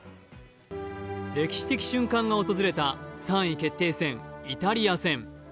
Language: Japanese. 歴史的瞬間が訪れた３位決定戦・イタリア戦。